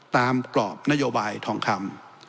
กรอบนโยบายทองคำ